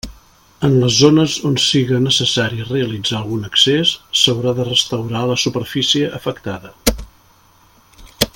En les zones on siga necessari realitzar algun accés, s'haurà de restaurar la superfície afectada.